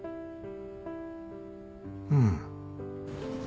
うん。